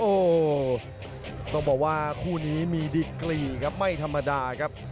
โอ้โหต้องบอกว่าคู่นี้มีดีกรีครับไม่ธรรมดาครับ